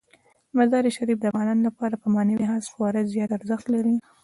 مزارشریف د افغانانو لپاره په معنوي لحاظ خورا زیات ارزښت لري.